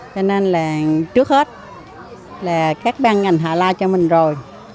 cho nên là trước hết là các ban ngành họ lo cho mình rồi